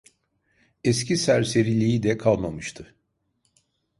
Eski serseriliği de kalmamıştı.